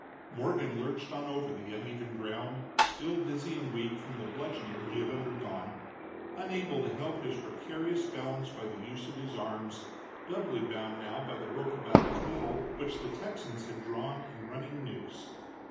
Morgan lurched on over the uneven ground, still dizzy and weak from the bludgeoning he had undergone, unable to help his precarious balance by the use of his arms, doubly bound now by the rope about his middle which the Texans had drawn in running noose.